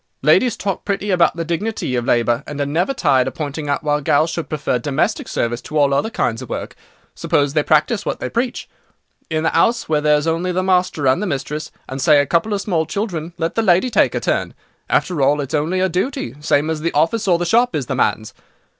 Ladies talk pretty about the dignity of labour, and are never tired of pointing out why gals should prefer domestic service to all other kinds of work. Suppose they practise what they preach. In the 'ouse, where there's only the master and the mistress, and, say a couple of small children, let the lady take her turn. After all, it's only her duty, same as the office or the shop is the man's.